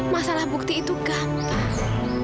masalah bukti itu gampang